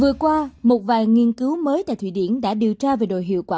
vừa qua một vài nghiên cứu mới tại thụy điển đã điều tra về đội hiệu quả